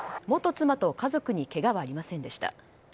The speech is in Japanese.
元妻と家族にけがはありませんでした。